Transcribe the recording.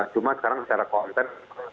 cuma sekarang secara konten